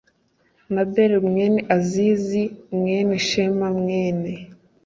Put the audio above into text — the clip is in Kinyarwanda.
na Bela mwene Azazi mwene Shema mwene